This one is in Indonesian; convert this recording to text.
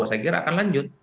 saya kira akan lanjut